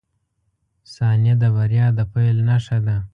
• ثانیه د بریا د پیل نښه ده.